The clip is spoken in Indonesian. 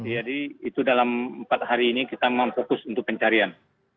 jadi itu dalam empat hari ini kita memang fokus untuk pencarian